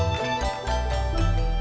ungkat media lanjutkers